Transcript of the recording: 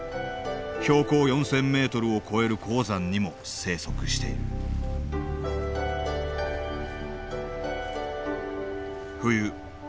標高４０００メートルを超える高山にも生息している冬